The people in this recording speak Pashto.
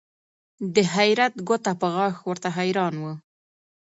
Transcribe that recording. د حیرت ګوته په غاښ ورته حیران وه